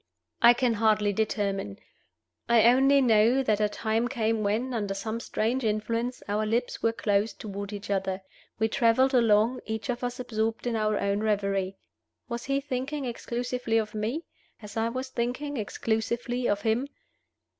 I can hardly determine; I only know that a time came when, under some strange influence, our lips were closed toward each other. We traveled along, each of us absorbed in our own reverie. Was he thinking exclusively of me as I was thinking exclusively of him?